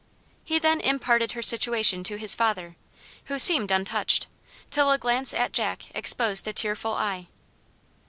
He then imparted her situation to his father, who seemed untouched, till a glance at Jack exposed a tearful eye.